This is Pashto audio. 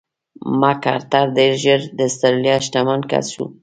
مک ارتر ډېر ژر د اسټرالیا شتمن کس شو.